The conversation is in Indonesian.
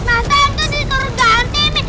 masa yang itu diturunkan ganti mi